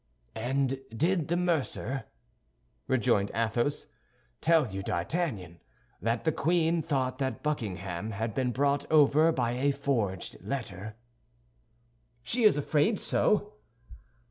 "And did the mercer*," rejoined Athos, "tell you, D'Artagnan, that the queen thought that Buckingham had been brought over by a forged letter?" * Haberdasher "She is afraid so."